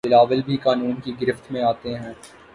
بلاول بھی قانون کی گرفت میں آتے ہیں